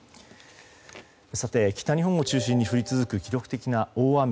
北日本を中心に降り続く記録的な大雨。